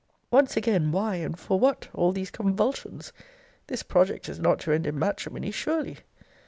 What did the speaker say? Once again, why and for what all these convulsions? This project is not to end in matrimony, surely!